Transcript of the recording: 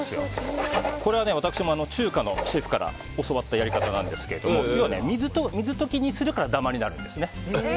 これは私も中華のシェフから教わったやり方なんですが水溶きにするからダマになるんですね。